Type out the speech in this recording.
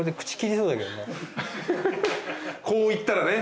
こういったらね。